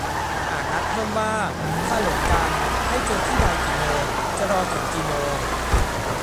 - อาจนัดเพิ่มว่า ถ้าหลงกันให้เจอที่ใดกี่โมง จะรอถึงกี่โมง